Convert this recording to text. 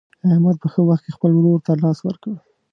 احمد په ښه وخت کې خپل ورور ته لاس ورکړ.